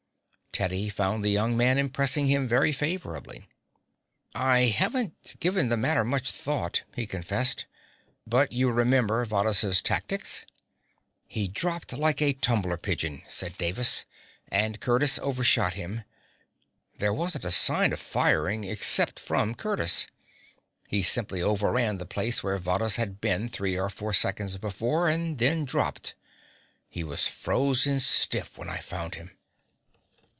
Teddy found the young man impressing him very favorably. "I haven't given the matter much thought," he confessed, "but you remember Varrhus' tactics?" "He dropped like a tumbler pigeon," said Davis, "and Curtiss overshot him. There wasn't a sign of firing except from Curtiss. He simply overran the place where Varrhus had been three or four seconds before and then dropped. He was frozen stiff when I found him."